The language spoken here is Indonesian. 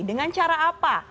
dengan cara apa